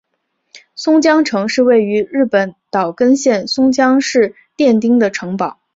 松江城是位于日本岛根县松江市殿町的城堡。